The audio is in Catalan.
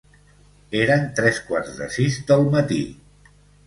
Eren tres quarts de sis del matí.